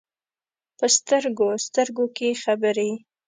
په سترګو، سترګو کې خبرې ،